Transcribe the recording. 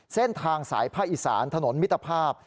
เส้นทางสายภาคอีสานถนนมิตรภาพ